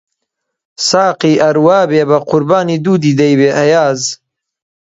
ساقی ئەر وا بێ بە قوربانی دوو دیدەی بێ، ئەیاز